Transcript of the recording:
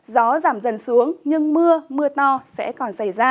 gió giảm dần xuống nhưng mưa mưa to